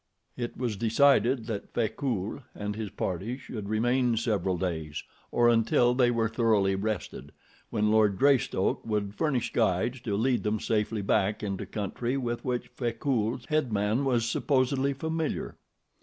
It was decided that Frecoult and his party should remain several days, or until they were thoroughly rested, when Lord Greystoke would furnish guides to lead them safely back into country with which Frecoult's head man was supposedly familiar.